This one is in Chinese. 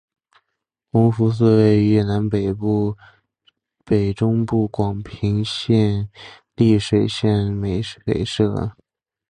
弘福寺位于越南北中部广平省丽水县美水社。